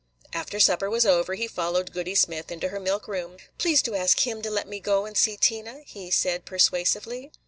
After supper was over he followed Goody Smith into her milk room. "Please do ask him to let me go and see Tina," he said, persuasively.